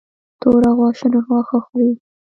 توره غوا شنه واښه خوري.